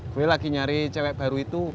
gue lagi nyari cewek baru itu